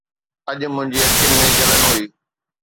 اڄ منهنجي اکين ۾ جلن هئي